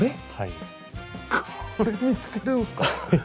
これ見つけるんですか？